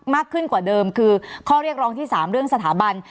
มากขึ้นกว่าเดิมคือข้อเรียกร้องที่๓เรื่องสถาบัน